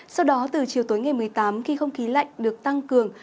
sau đó từ chiều tối ngày một mươi tám khi không khí lạnh được tăng cường